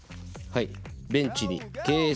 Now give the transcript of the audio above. はい。